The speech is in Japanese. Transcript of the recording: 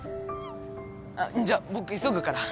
あっじゃ僕急ぐから。